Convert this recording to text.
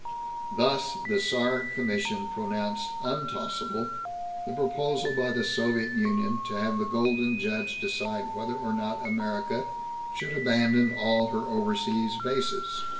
Thus the Saar Commission pronounced untossable the proposal by the Soviet Union to have the Golden Judge decide whether or not America should abandon all her overseas bases.